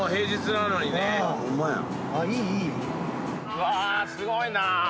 うわすごいな。